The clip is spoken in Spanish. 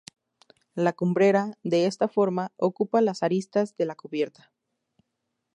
La cumbrera, de esta forma, ocupa las aristas de la cubierta.